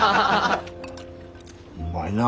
うまいな。